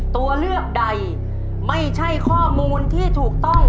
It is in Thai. ตัวเลือกใดไม่ใช่ข้อมูลที่ถูกต้อง